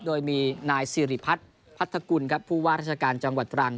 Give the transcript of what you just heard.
โดยมีนายสิริพัฒน์พัทธกุลครับผู้ว่าราชการจังหวัดตรัง